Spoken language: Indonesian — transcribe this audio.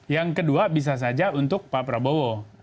yang kedua bisa saja untuk pak prabowo